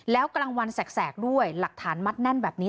แล้วกลางวันแสกด้วยหลักฐานมัดแน่นแบบนี้